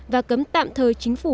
và cấm tạm thời chính phủ